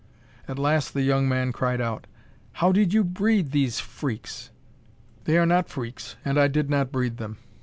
At last the young man cried out: "How did you breed these freaks?" "They are not freaks, and I did not breed them.